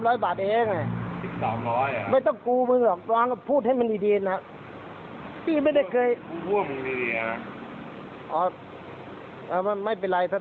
แล้วถ้าต้องพูดอย่างนั้นตังค์จ่ายพี่ไหม